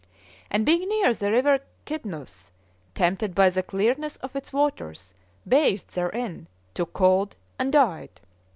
And being near the river Cydnus, tempted by the clearness of its waters, bathed therein, took cold, and died.